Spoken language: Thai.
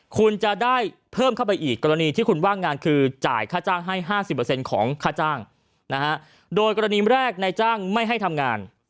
คุณจะได้เพิ่มเข้าไปอีกกรณีที่คุณว่างงานคือจ่ายค่าจ้างให้๕๐ของค่าจ้างนะฮะโดยกรณีแรกนายจ้างไม่ให้ทำงาน